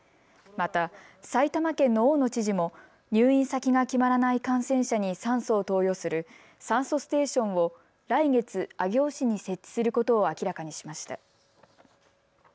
また埼玉県の大野知事も入院先が決まらない感染者に酸素を投与する酸素ステーションを来月、上尾市に設置することを明らかにしました。